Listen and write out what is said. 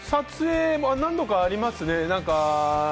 何度かありますね。